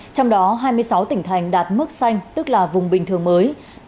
trong đó hai mươi sáu tỉnh thành đạt mức xanh tức là vùng bình thường mới